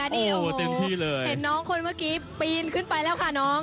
ตัวเต็มที่เลยเห็นน้องคนเมื่อกี้ปีนขึ้นไปแล้วค่ะน้อง